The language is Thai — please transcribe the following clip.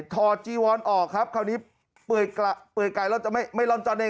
จีวอนออกครับคราวนี้เปื่อยไกลแล้วจะไม่ร่อนจ้อนเอง